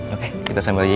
oke kita sambil yuk